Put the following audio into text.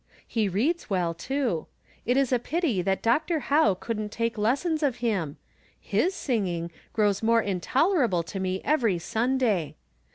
He reads well, too. It is a pity that Dr. Howe couldn't take lessons ■ of him — his singing grows more intolerable to me every Sunday.